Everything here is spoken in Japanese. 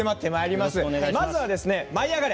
まずは「舞いあがれ！」